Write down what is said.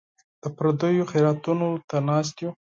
د پردیو خیراتونو ته ناست یو.